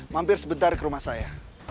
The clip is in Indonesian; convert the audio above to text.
mampir sebentar ke rumah saya